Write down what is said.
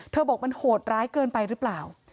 บอกมันโหดร้ายเกินไปหรือเปล่า